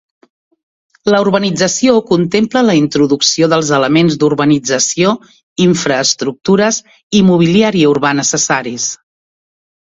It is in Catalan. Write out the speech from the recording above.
La urbanització contempla la introducció dels elements d’urbanització, infraestructures i mobiliari urbà necessaris.